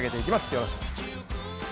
よろしくお願いします。